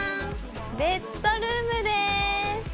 ベッドルームです！